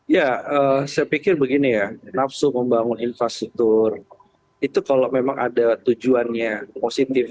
ya saya pikir begini ya nafsu membangun infrastruktur itu kalau memang ada tujuannya positif